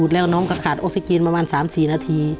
แล้วน้องก็ขาดออกซิเจนประมาณ๓๔นาที